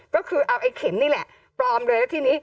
ก็คือเอาไอ้เข็มนี่แหละปลอมเลยแล้วทีนี้